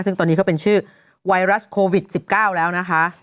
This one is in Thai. ซึ่งตอนนี้เขาเป็นชื่อไวรัสโควิด๑๙แล้วนะคะ